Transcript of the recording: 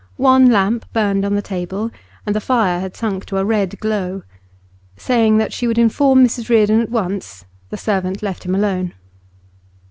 One lamp burned on the table, and the fire had sunk to a red glow. Saying that she would inform Mrs Reardon at once, the servant left him alone.